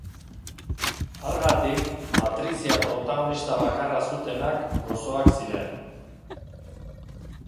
Hargatik, Patricia protagonista bakarra zutenak gozoak ziren.